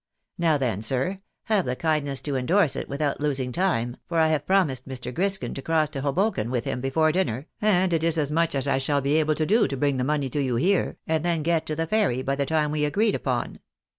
Now then, sir, have the kindness to endorse it without losing time, for I have promised Mr. Griskin to cross to Hoboken with him before dinner, and it is as much as I shall be able to do to bring the money to you here, and then get to the ferry by the time we agreed upon."